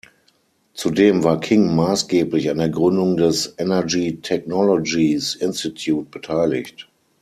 Zudem war King maßgeblich an der Gründung des "Energy Technologies Institute" beteiligt.